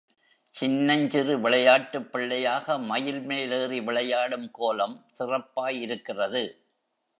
சின்னஞ்சிறு விளையாட்டுப் பிள்ளையாக மயில்மேல் ஏறி விளையாடும் கோலம் சிறப்பாய் இருக்கிறது.